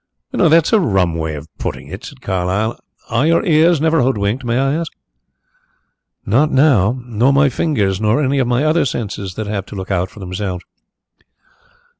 "That's a rum way of putting it," said Carlyle. "Are your ears never hoodwinked, may I ask?" "Not now. Nor my fingers. Nor any of my other senses that have to look out for themselves."